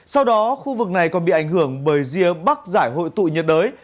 sau đó khu vực này còn bị ảnh hưởng bởi rìa bắc giải hội tụ nhiệt đới